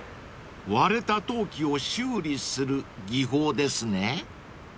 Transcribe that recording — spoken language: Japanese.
［割れた陶器を修理する技法ですね］